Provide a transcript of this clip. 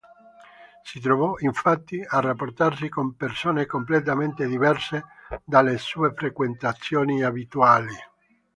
Si trovò, infatti, a rapportarsi con persone completamente diverse dalle sue frequentazioni abituali.